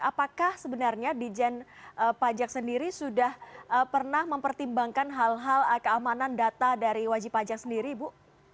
apakah sebenarnya dijen pajak sendiri sudah pernah mempertimbangkan hal hal keamanan data dari wajib pajak sendiri bu